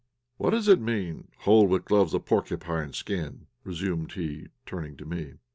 "What does it mean, 'hold with gloves of porcupine skin?'" resumed he, turning to me.